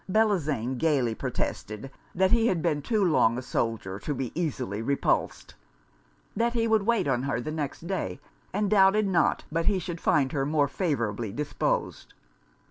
Bellozane gaily protested that he had been too long a soldier to be easily repulsed. That he would wait on her the next day, and doubted not but he should find her more favourably disposed.